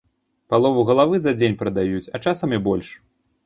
Палову галавы за дзень прадаюць, а часам і больш.